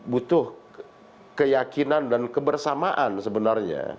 butuh keyakinan dan kebersamaan sebenarnya